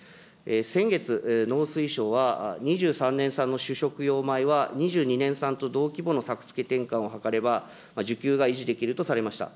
先月、農水省は２３年産の主食用米は、２２年産と同規模の作付け転換をはかれば、需給が維持できるとされました。